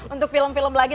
untuk film film lagi